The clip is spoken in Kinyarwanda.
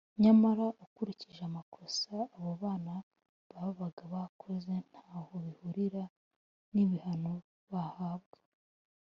nyamara ukurikije amakosa abo bana babaga bakoze ntaho bihurira n’ibihano bahabwa